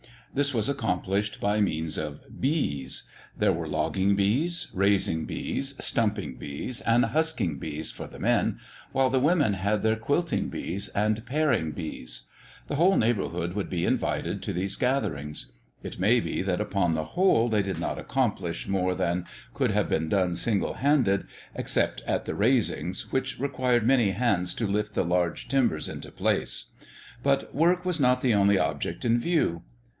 This was accomplished by means of "bees". There were logging bees, raising bees, stumping bees, and husking bees for the men, while the women had their quilting bees and paring bees. The whole neighbourhood would be invited to these gatherings. It may be that upon the whole they did not accomplish more than could have been done single handed, except at the raisings, which required many hands to lift the large timbers into place; but work was not the only object in view.